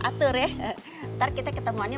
atur ya ntar kita ketemuannya